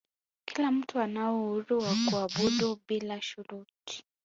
kila mtu anao uhuru wa kuabudu bila shuruti